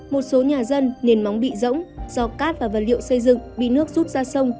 một số nhà dân nền móng bị rỗng do cát và vật liệu xây dựng bị nước rút ra sông